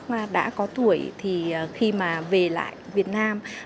và đã có tuổi thì khi mà về lại việt nam